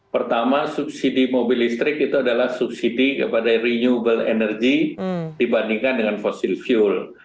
pertama subsidi mobil listrik itu adalah subsidi kepada renewable energy dibandingkan dengan fossil fuel